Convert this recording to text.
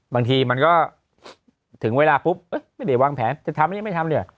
บางทีมันก็ถึงเวลาปุ๊บไม่ได้วางแผนจะทำหรือไม่ทำเนี่ย